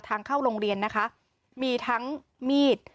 ทางเข้าโรงเรียนนะคะมีทั้งมีด